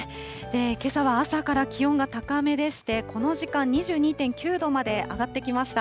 けさ朝から気温が高めでして、この時間２２．９度まで上がってきました。